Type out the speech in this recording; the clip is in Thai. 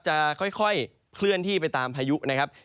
จะค่อยเคลื่อนที่ไปตามพายุนะครับ